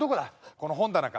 この本棚か？